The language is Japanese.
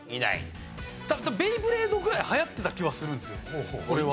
ベイブレードぐらい流行ってた気はするんですよこれは。